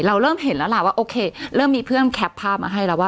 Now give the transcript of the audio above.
เราเริ่มเห็นแล้วล่ะว่าโอเคเริ่มมีเพื่อนแคปภาพมาให้แล้วว่า